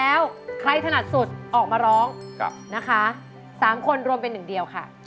เอาแล้ว